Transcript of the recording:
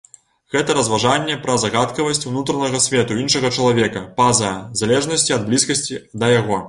Гэта разважанне пра загадкавасць унутранага свету іншага чалавека, па-за залежнасці ад блізкасці да яго.